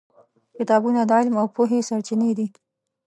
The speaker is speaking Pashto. کتابونه د علم او پوهې سرچینې دي.